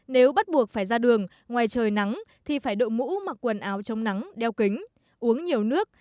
nếu bắt buộc phải ra đường ngoài trời nắng thì phải đội mũ mặc quần áo trong nắng đeo kính uống nhiều nước